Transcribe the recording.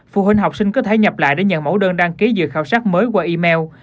phụ huynh học sinh có thể nhập lại để nhận mẫu đơn đăng ký dự khảo sát mới qua email